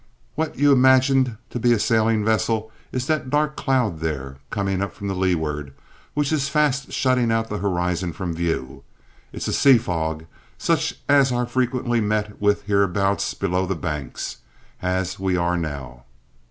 What you imagined to be a sailing vessel is that dark cloud there, coming up from the leeward, which is fast shutting out the horizon from view. It's a sea fog, such as are frequently met with hereabouts below the Banks, as we are now!"